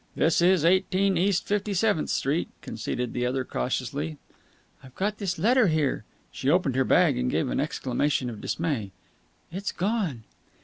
"This is Eighteen East Fifty seventh Street," conceded the other cautiously. "I've got his letter here." She opened her bag, and gave an exclamation of dismay. "It's gone!"